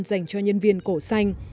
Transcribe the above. dành cho nhân viên